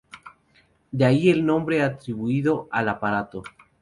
De ahí el nombre atribuido al aparato.